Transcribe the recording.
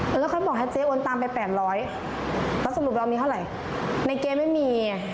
แล้วเขาบอกให้เจ๊โอนตามไปแปดร้อยแล้วสรุปเรามีเท่าไหร่ในเจ๊ไม่มีไง